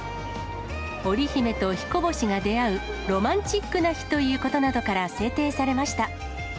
織姫と彦星が出会うロマンチックな日ということなどから制定されました。